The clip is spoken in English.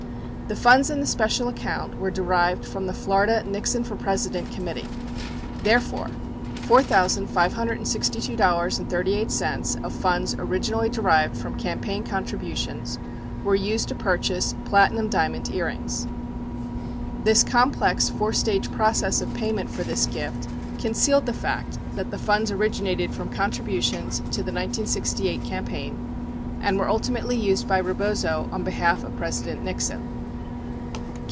The funds in the special account w T ere derived from the Florida Nixon for President committee. Therefore, $4,562.38 of funds originally derived from cam paign contributions were used to purchase platinum diamond earrings. This complex four stage process of payment for this gift concealed the fact that the funds originated from contributions to the 1968 cam paign and were ultimately used by Bebozo on behalf of President Nixon.